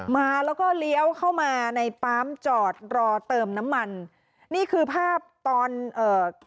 มาแล้วก็เลี้ยวเข้ามาในปั๊มจอดรอเติมน้ำมันนี่คือภาพตอนเอ่อ